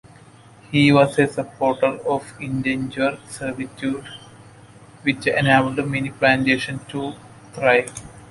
He was a supporter of indentured servitude, which enabled many plantations to thrive.